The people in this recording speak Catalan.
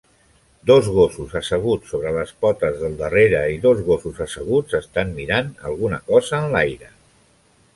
Dos gossos asseguts sobre les potes del darrere i dos gossos asseguts estan mirant alguna cosa en l'aire.